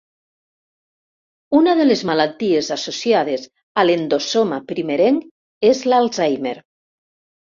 Una de les malalties associades a l'endosoma primerenc és l'Alzheimer.